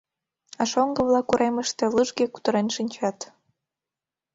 А шоҥго-влак уремыште лыжге кутырен шинчат.